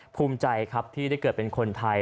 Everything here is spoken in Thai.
ภูมิใจครับที่ได้เกิดเป็นคนไทย